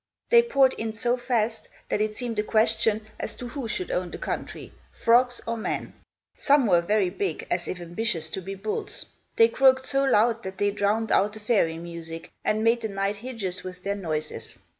They poured in so fast, that it seemed a question as to who should own the country frogs or men. Some were very big, as if ambitious to be bulls. They croaked so loud, that they drowned out the fairy music, and made the night hideous with their noises.